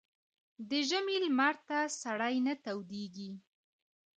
ـ د ژمي لمر ته سړى نه تودېږي.